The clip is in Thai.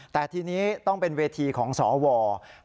แต่ทีนี้ต้องเป็นเวทีของสว